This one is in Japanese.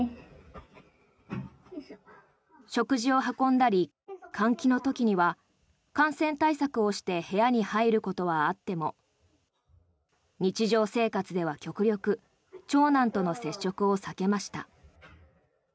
食事を運んだり換気の時には感染対策をして部屋に入ることはあっても日常生活では極力長男との接触を避けました。